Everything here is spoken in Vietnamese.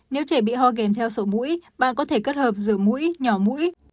nếu trẻ bị ho kèm theo sổ mũi bạn có thể cất hợp giữa mũi nhỏ mũi